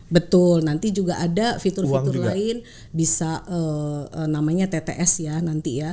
betul nanti juga ada fitur fitur lain bisa namanya tts ya nanti ya